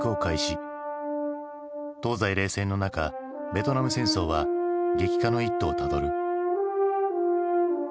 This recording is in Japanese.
東西冷戦の中ベトナム戦争は激化の一途をたどる。